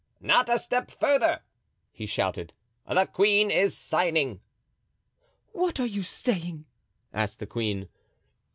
"Not a step further," he shouted, "the queen is signing!" "What are you saying?" asked the queen.